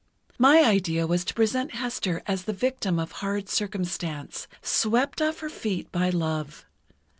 "My idea was to present Hester as the victim of hard circumstance, swept off her feet by love.